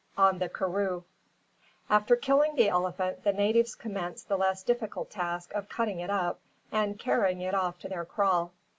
ON THE KARROO. After killing the elephant, the natives commenced the less difficult task of cutting it up and carrying it off to their kraal.